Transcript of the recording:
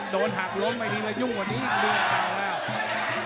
โดนหักลงไม่ได้มายุ่งกว่านี้ดีกว่าเขาแล้ว